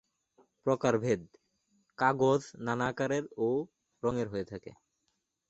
প্রকারভেদ: কাগজ নানা আকারের ও রঙের হয়ে থাকে।